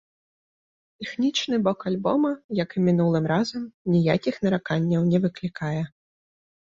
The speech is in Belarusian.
Тэхнічны бок альбома, як і мінулым разам, ніякіх нараканняў не выклікае.